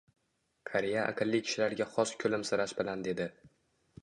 Qariya aqlli kishilarga xos kulimsirash bilan dedi